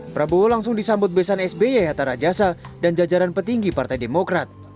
prabowo langsung disambut besan sby hatta rajasa dan jajaran petinggi partai demokrat